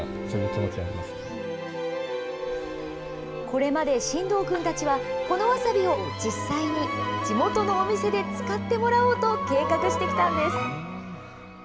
これまで新堂君たちは、このわさびを実際に地元のお店で使ってもらおうと計画してきたんです。